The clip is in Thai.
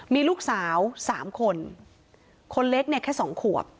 มีลูกสาว๓คนคนเล็กเนี่ยแค่สองขวบ